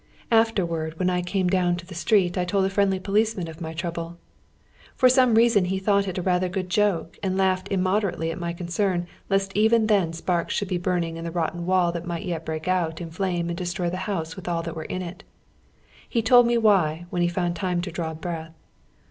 Afterward, when I came down to the street I told a friendly policeman of my trouble. For some reason he thought it rather a good joke, and lauglied immoder ately at my concern lest even then spai'ks should be bur rowing hi the rotten wall that miglit yet break out in fiame and destroy the house with all that were in it. lie told me why, when he found time to draw breath.